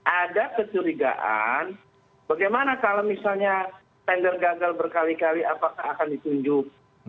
ada kecurigaan bagaimana kalau misalnya tender gagal berkali kali apakah akan ditunjuk